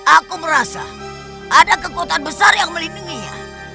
aku merasa ada kekuatan besar yang melindunginya